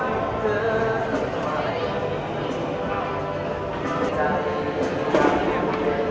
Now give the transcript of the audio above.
ขอบคุณทุกคนมากครับที่ทุกคนรัก